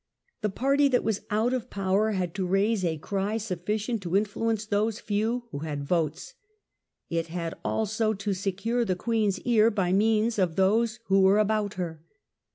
The party that was out of power had to raise a cry sufficient to influence those few who had votes. It had also to secure the queen's ear by means of those who were about her.